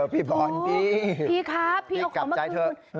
พี่บอลดีพี่กลับใจเธอ